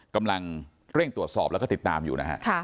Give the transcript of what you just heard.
กำลังเร่งตรวจสอบแล้วก็ติดตามอยู่นะฮะ